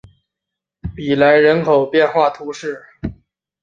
比莱人口变化图示